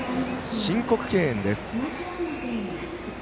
申告敬遠です。